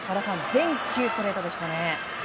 全球ストレートでしたね。